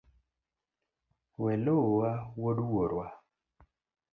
Weluwa wuod wuorwa.